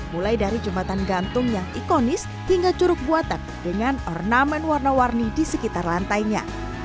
mulai dari jembatan gantung yang ikonis hingga curug buatan dengan ornamen warna warni di sekitar lantainya